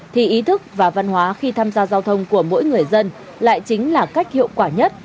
thì ý thức và văn hóa khi tham gia giao thông của mỗi người dân lại chính là cách hiệu quả nhất